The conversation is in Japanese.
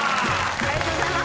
ありがとうございます。